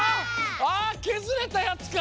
あっあけずれたやつか！